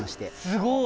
すごい。